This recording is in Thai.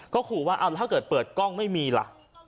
ก็ขอว่าเอาแล้วถ้าเกิดเปิดกล้องไม่มีล่ะ